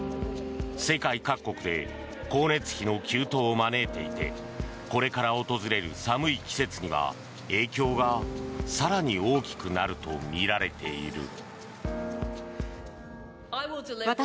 世界各国で光熱費の急騰を招いていてこれから訪れる寒い季節には影響が更に大きくなるとみられている。